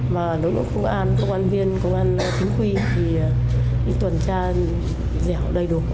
và đối với công an công an viên công an chính quy thì tuần tra dẻo đầy đủ